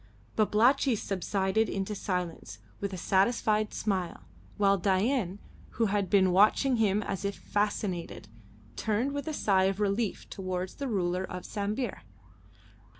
Babalatchi subsided into silence with a satisfied smile, while Dain, who had been watching him as if fascinated, turned with a sigh of relief towards the ruler of Sambir.